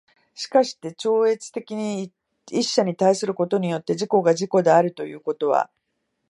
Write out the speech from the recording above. しかして超越的一者に対することによって自己が自己であるということは、